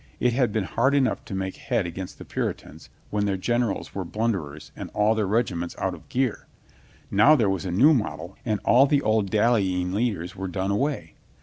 It had been hard enough to make head against the Puritans when their gen erals were blunderers and all their regiments out of gear. Now there was a new model and all the old dallying leaders were done away.